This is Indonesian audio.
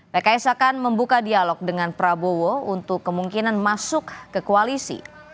pks akan membuka dialog dengan prabowo untuk kemungkinan masuk ke koalisi